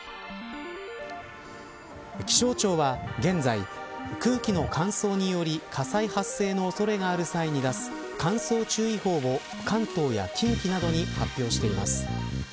気象庁は現在空気の乾燥により火災発生の恐れがある際に出す乾燥注意報を関東や近畿などに発表しています。